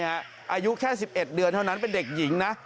อายุแค่๑๑เดือนเท่านั้นเป็นเด็กหญิงนะ